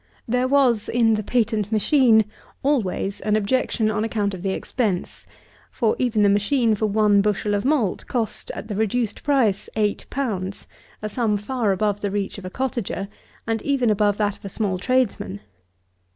There was, in the Patent Machine, always, an objection on account of the expense; for, even the machine for one bushel of malt cost, at the reduced price, eight pounds; a sum far above the reach of a cottager, and even above that of a small tradesman.